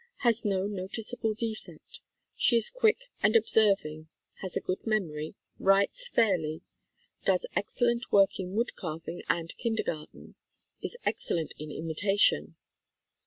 Has no noticeable defect. She is quick and observing, has a good memory, writes fairly, does excellent work in wood carving and kindergarten, is excellent in imitation.